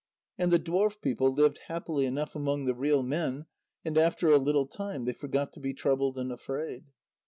And the dwarf people lived happily enough among the real men, and after a little time they forgot to be troubled and afraid.